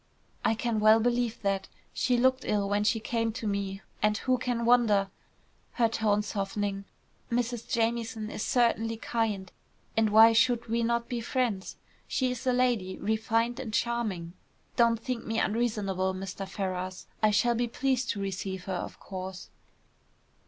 "I can well believe that. She looked ill when she came to me. And who can wonder?" her tone softening. "Mrs. Jamieson is certainly kind, and why should we not be friends? She is a lady, refined and charming. Don't think me unreasonable, Mr. Ferrars. I shall be pleased to receive her, of course."